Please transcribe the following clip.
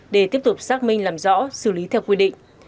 để tiếp tục xác minh làm rõ xử lý theo quy định